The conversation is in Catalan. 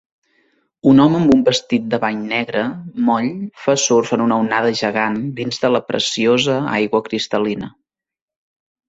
Un home amb un vestit de bany negre moll fa surf en una onada gegant dins de la preciosa aigua cristal·lina.